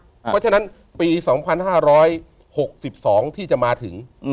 เพราะฉะนั้นปี๒๕๖๒ที่จะมาถึง